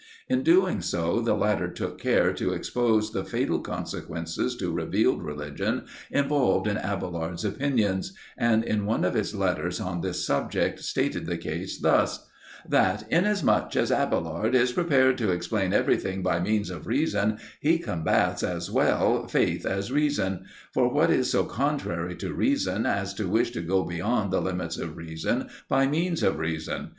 In doing so, the latter took care to expose the fatal consequences to revealed religion involved in Abailard's opinions, and, in one of his letters on this subject, stated the case thus: "That inasmuch as Abailard is prepared to explain everything by means of reason, he combats as well Faith as Reason: for, what is so contrary to Reason, as to wish to go beyond the limits of Reason by means of Reason?